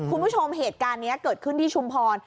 คุณผู้ชมเหตุการณ์นี้เกิดขึ้นที่ชุมพร